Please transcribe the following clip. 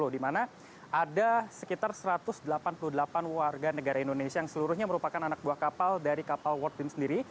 di mana ada sekitar satu ratus delapan puluh delapan warga negara indonesia yang seluruhnya merupakan anak buah kapal dari kapal world beam sendiri